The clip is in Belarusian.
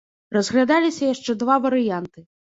Разглядаліся яшчэ два варыянты.